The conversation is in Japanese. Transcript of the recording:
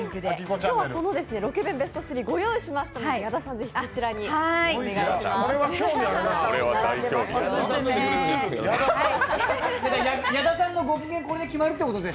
今日はそのロケ弁ベスト３ご用意しましたので矢田さん、ぜひこちらにお願いします。